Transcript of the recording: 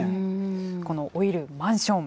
この老いるマンション。